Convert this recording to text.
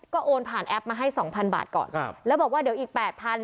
ก็โอนผ่านแอปมาให้สองพันบาทก่อนครับแล้วบอกว่าเดี๋ยวอีกแปดพัน